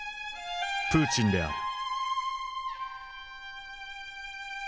プーチンである。